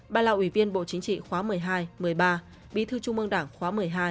bà là ủy viên bộ chính trị khóa một mươi hai một mươi ba bí thư trung mương đảng khóa một mươi hai một mươi ba